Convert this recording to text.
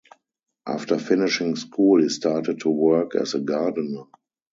After finishing school he started to work as a gardener.